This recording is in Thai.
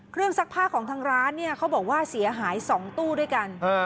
ซักผ้าของทางร้านเนี่ยเขาบอกว่าเสียหาย๒ตู้ด้วยกัน